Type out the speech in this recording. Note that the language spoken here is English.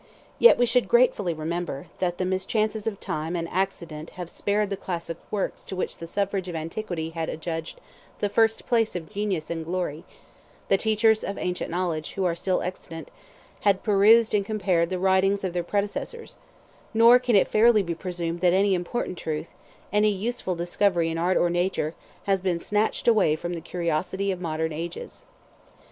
Yet we should gratefully remember, that the mischances of time and accident have spared the classic works to which the suffrage of antiquity 123 had adjudged the first place of genius and glory: the teachers of ancient knowledge, who are still extant, had perused and compared the writings of their predecessors; 124 nor can it fairly be presumed that any important truth, any useful discovery in art or nature, has been snatched away from the curiosity of modern ages.